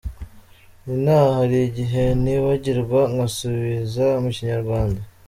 Inaha hari igihe nibagirwa ngasubiza mu Kinyarwanda.